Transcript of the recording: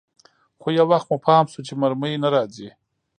خو يو وخت مو پام سو چې مرمۍ نه راځي.